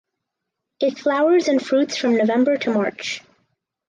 It flowers and fruits from November to March.